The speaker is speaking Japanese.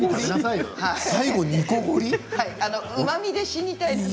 うまみで死にたい。